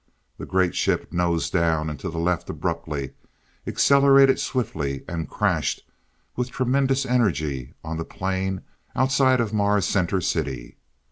The great ship nosed down and to the left abruptly, accelerated swiftly and crashed with tremendous energy on the plain outside of Mars Center City.